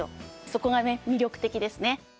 そこがね魅力的ですね。